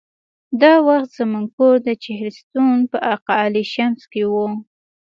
دا وخت زموږ کور د چهلستون په اقا علي شمس کې و.